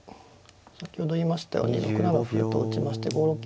先ほど言いましたように６七歩と打ちまして５六金。